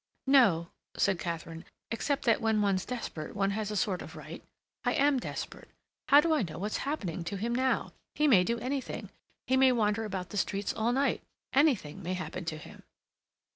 "No," said Katharine. "Except that when one's desperate one has a sort of right. I am desperate. How do I know what's happening to him now? He may do anything. He may wander about the streets all night. Anything may happen to him."